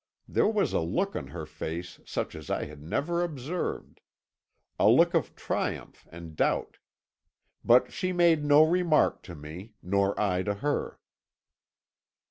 There was a look on her face such as I had never observed a look of triumph and doubt. But she made no remark to me, nor I to her."